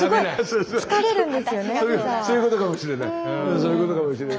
そういうことかもしれない。